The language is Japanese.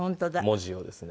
文字をですね